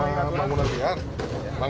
yang mengakhiri segala latihan pulahan